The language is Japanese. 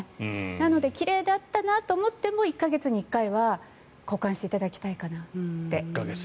なので奇麗であったなと思っても１か月に１回は交換していただきたいかなって。